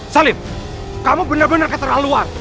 salib kamu benar benar keterlaluan